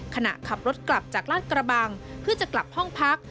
ขณะขับรถกลับจากลาดกระบังเพื่อจะกลับห้องพัก